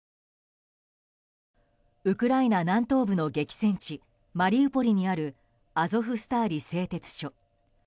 ウクライナ南東部の激戦地マリウポリにあるアゾフスターリ製鉄所。